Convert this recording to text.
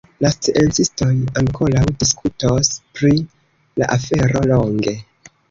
La sciencistoj ankoraŭ diskutos pri la afero longe.